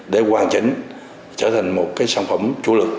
để hoàn chỉnh trở thành một cái sản phẩm tru lực